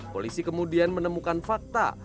polisi kemudian menemukan fakta